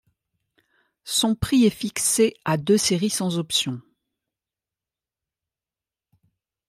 Son prix est fixé à de série sans options.